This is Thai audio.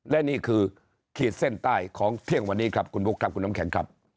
และนี่คือขีดเส้นใต้ของเที่ยงวันนี้ครับคุณบุ๊คครับคุณน้ำแข็งครับ